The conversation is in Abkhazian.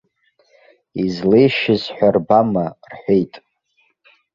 Излеишьыз ҳәа рбама, рҳәеит.